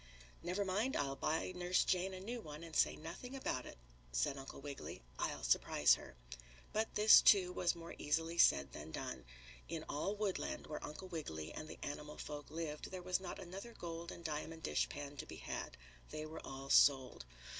"Never mind, I'll buy Nurse Jane a new one and say nothing about it," said Uncle Wiggily. "I'll surprise her." But this, too, was more easily said than done. In all Woodland, where Uncle Wiggily and the animal folk lived, there was not another gold and diamond dishpan to be had. They were all sold.